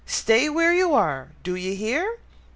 Stay where you are! Do ye hear!"